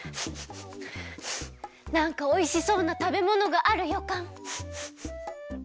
なんかおいしそうなたべものがあるよかん。